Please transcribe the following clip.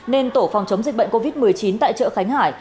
nên tổ phòng chống dịch bệnh covid một mươi chín tại chợ khánh hải